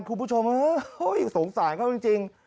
คุณผู้ชมสงสารเขาจริง